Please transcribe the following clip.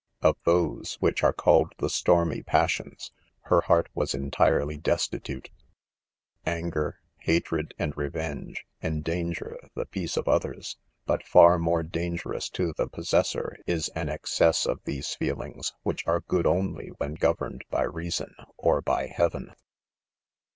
Of those which are called the stormy passions, her heart was : entirely destitute. — Anger, hatred, and revenge, endanger the peace of others j but far more dangerous to 134< ■ IDOMEN. the possessor is an excess of these feelings, which are good only when governed by rea son, or by heaven.